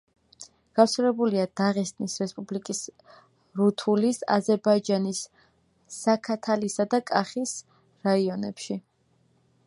გავრცელებულია დაღესტნის რესპუბლიკის რუთულის, აზერბაიჯანის ზაქათალისა და კახის რაიონებში.